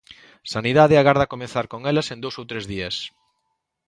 Sanidade agarda comezar con elas en dous ou tres días.